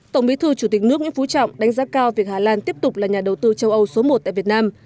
tổng bí thư chủ tịch nước nguyễn phú trọng đánh giá cao việc hà lan tiếp tục là nhà đầu tư châu âu số một tại việt nam